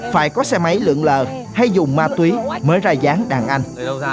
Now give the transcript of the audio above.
phải có xe máy lượng lờ hay dùng ma túy mới ra giáng đàn anh